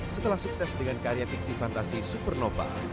setelah sukses dengan karya fiksi fantasi supernova